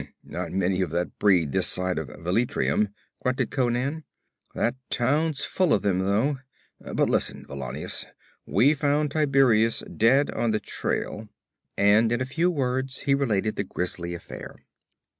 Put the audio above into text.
'Not many of that breed this side of Velitrium,' grunted Conan. 'That town's full of them, though. But listen, Valannus, we found Tiberias dead on the trail.' And in a few words he related the grisly affair.